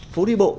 phố đi bộ